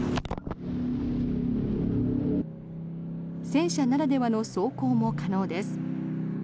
戦車ならではの走行も可能です。